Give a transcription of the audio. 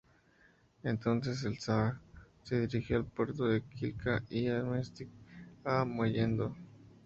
Entonces, el "Shah" se dirigió al Puerto de Quilca y el "Amethyst" a Mollendo.